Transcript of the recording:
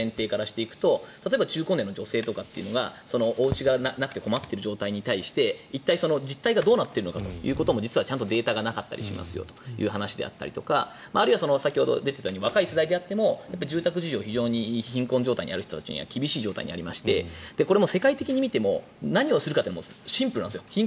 例えば、中高年の女性がおうちがなくて困ってる状態に対して一体、実態がどうなってるのかということもちゃんとデータがなかったりしますよという話であったりとかあるいは先ほど出ていたように若い世代であっても住宅事情が貧困である方にとっては厳しい状態にあって世界的に見ても何をするかはシンプル。